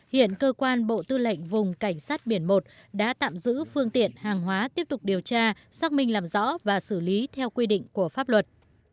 hiện cơ quan bộ tư lệnh vùng cảnh sát biển một đã tạm giữ phương tiện hàng hóa tiếp tục điều tra xác minh làm rõ và xử lý theo quy định của pháp luật